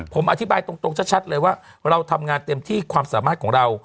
ผมอธิบายตรงชัดเลยว่าเราทำงานเต็มที่ความสามารถของเรา